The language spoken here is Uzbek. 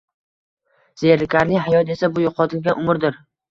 Zerikarli hayot esa bu yo‘qotilgan umrdir.